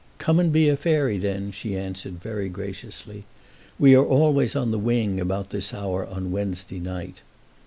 "Come and be a fairy then," she answered, very graciously. "We are always on the wing about this hour on Wednesday night."